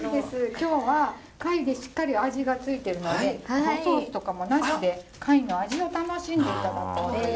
今日は貝でしっかり味がついてるのでおソースとかもなしで貝の味を楽しんで頂こうという趣向でございます。